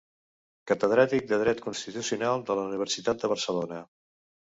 Catedràtic de Dret Constitucional de la Universitat de Barcelona.